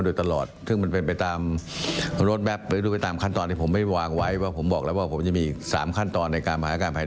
ส่วนนอกจากนี้แล้วทางด้านผลเอกประวิยส์วงศ์สุวรรณ